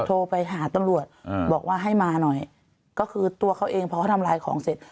โทรไปหาตำรวจบอกว่าให้มาหน่อยก็คือตัวเขาเองพอเขาทำลายของเสร็จ